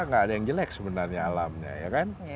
nggak ada yang jelek sebenarnya alamnya ya kan